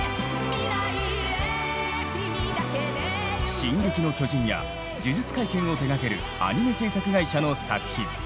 「進撃の巨人」や「呪術廻戦」を手がけるアニメ制作会社の作品。